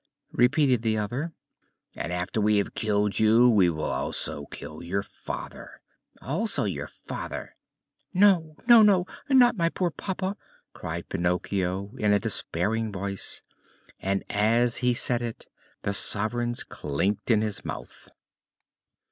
repeated the other. "And after we have killed you, we will also kill your father!" "Also your father!" "No, no, no, not my poor papa!" cried Pinocchio in a despairing voice, and as he said it the sovereigns clinked in his mouth.